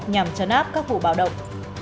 nhằm chấn áp các vụ bạo động